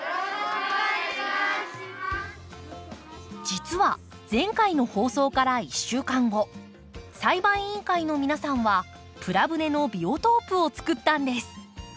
実は前回の放送から１週間後栽培委員会の皆さんはプラ舟のビオトープを作ったんです。